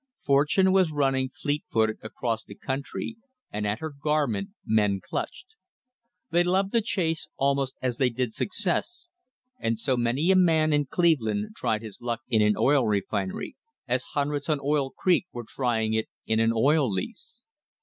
Fortune was running fleet footed across the country, and at her garment men clutched. They loved the chase almost as they did success, and so many a man in Cleveland tried his luck in an oil refinery, as hundreds on Oil Creek were trying it in an oil lease.